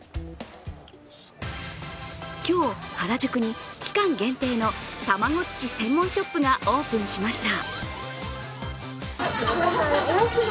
今日、原宿に期間限定のたまごっち専門ショップがオープンしました。